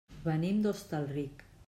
Venim de Hostalric.